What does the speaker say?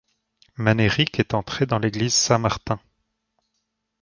Magnéric est enterré dans l'église Saint-Martin.